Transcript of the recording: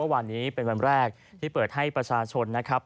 วันนี้เป็นวันแรกที่เปิดให้ประชาชนนะครับ